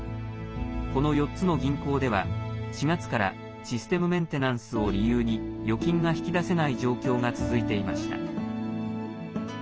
この４つの銀行では４月からシステムメンテナンスを理由に預金が引き出せない状況が続いていました。